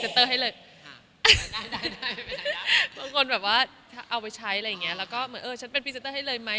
ทุกคนก็แบบแฮปปี้กับผลิตภัณฑ์ของเรา